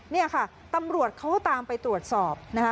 นี่ค่ะตำรวจเขาตามไปตรวจสอบ